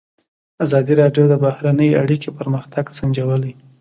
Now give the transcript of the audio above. ازادي راډیو د بهرنۍ اړیکې پرمختګ سنجولی.